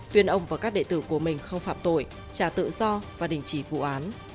tuyên ông và các đệ tử của mình không phạm tội trả tự do và đình chỉ vụ án